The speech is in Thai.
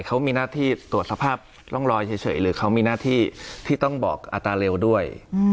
เขามีหน้าที่ตรวจสภาพร่องรอยเฉยหรือเขามีหน้าที่ที่ต้องบอกอัตราเร็วด้วย